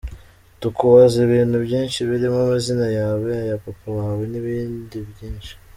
Tukubaza ibintu byinshi birimo amazina yawe, aya papa wawe n’ibindi byinshi”.